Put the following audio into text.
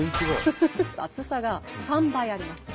厚さが３倍あります。